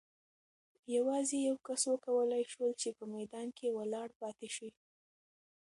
یوازې یو کس وکولای شول چې په میدان کې ولاړ پاتې شي.